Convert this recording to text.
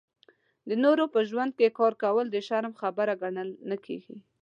د نورو په ژوند کې کار کول د شرم خبره ګڼل نه کېږي.